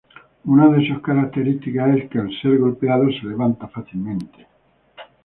Una de sus características es que al ser golpeado se levanta fácilmente.